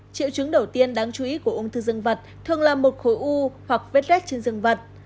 triệu chứng đầu tiên đáng chú ý của ương thư dương vật thường là một khối u hoặc vết rết trên dương vật